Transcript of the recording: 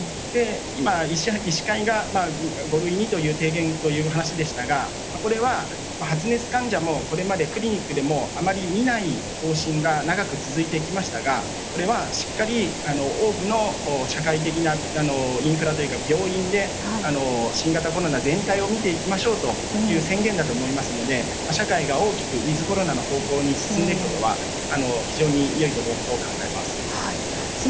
今、医師会が五類に提言という話でしたがこれは発熱患者も、これまでクリニックでもあまり診ない方針が長く続いてきましたがこれは、しっかり多くの社会的なインフラというか病院で新型コロナ全体を見ていきましょうという宣言だと思いますので社会が大きくウィズコロナの方向に進んでいくことは非常に良いことだと考えます。